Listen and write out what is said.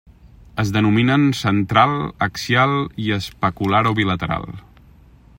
Es denominen: central, axial i especular o bilateral.